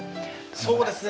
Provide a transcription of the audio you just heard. そうですね。